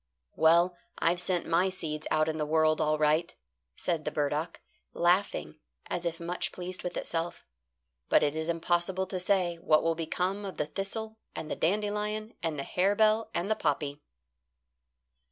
"Well, I've sent my seeds out in the world all right," said the burdock, laughing as if much pleased with itself; "but it is impossible to say what will become of the thistle and the dandelion and the harebell and the poppy."